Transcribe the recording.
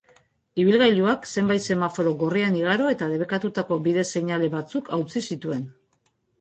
Ibilgailuak zenbait semaforo gorrian igaro eta debekatutako bide-seinale batzuk hautsi zituen.